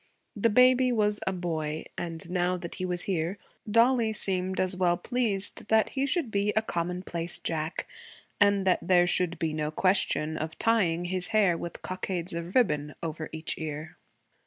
The baby was a boy, and now that he was here, Dollie seemed as well pleased that he should be a commonplace Jack, and that there should be no question of tying his hair with cockades of ribbon over each ear.